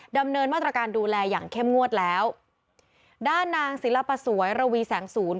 ดำเนินมาตรการดูแลอย่างเข้มงวดแล้วด้านนางศิลปสวยระวีแสงศูนย์